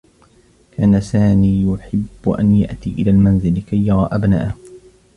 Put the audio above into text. كان ساني يحبّ أن يأتي إلى المنزل كي يرى أبناءه.